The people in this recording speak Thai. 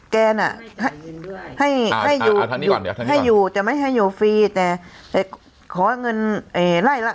แกนอ่ะให้ให้อยู่ให้อยู่จะไม่ให้อยู่ฟรีแต่ขอเงินเอ่ยไล่ละ